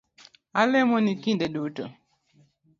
Alemoni kinde duto